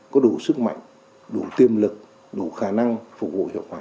có đủ sức mạnh đủ tiềm lực đủ khả năng phục vụ hiệu quả